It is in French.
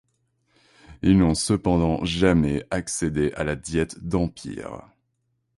Ils n'ont cependant jamais accédé à la Diète d'Empire.